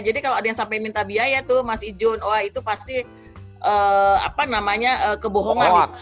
jadi kalau ada yang sampai minta biaya tuh mas ijun oa itu pasti kebohongan